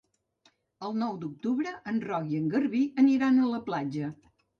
El nou d'octubre en Roc i en Garbí aniran a la platja.